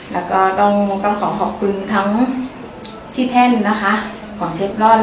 แล้วก็ต้องขอขอบคุณทั้งที่แท่นนะคะของเชฟรอน